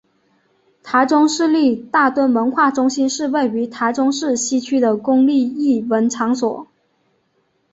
台中市立大墩文化中心是位于台中市西区的公立艺文场所。